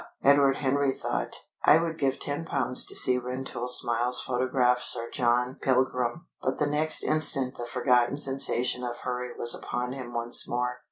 Edward Henry thought: "I would give ten pounds to see Rentoul Smiles photograph Sir John Pilgrim." But the next instant the forgotten sensation of hurry was upon him once more.